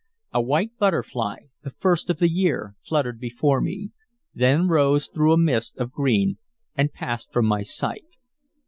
A white butterfly the first of the year fluttered before me; then rose through a mist of green and passed from my sight.